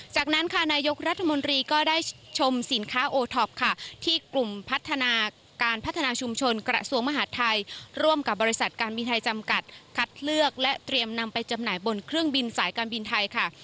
จากนั้นค่ะนายกรัฐมนตรีก็ได้ชมสินค้าโอท็อปค่ะที่กลุ่มพัฒนาการพัฒนาชุมชนกระทรวงมหาดไทยร่วมกับบริษัทการบินไทยจำกัดคัดเลือกและเตรียมนำไปจำหน่ายบนเครื่องบินสายการบินไทยค่ะ